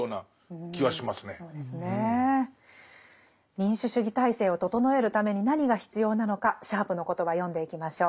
民主主義体制を整えるために何が必要なのかシャープの言葉読んでいきましょう。